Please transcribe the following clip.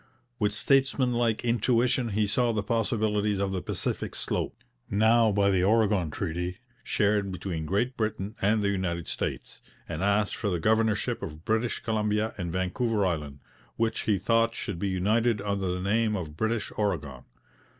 With statesmanlike intuition he saw the possibilities of the Pacific slope, now, by the Oregon Treaty, shared between Great Britain and the United States, and asked for the governorship of British Columbia and Vancouver Island, which he thought should be united under the name of British Oregon.